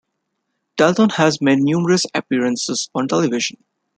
Dalton has made numerous appearances on television.